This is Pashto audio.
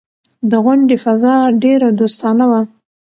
د غونډې فضا ډېره دوستانه وه.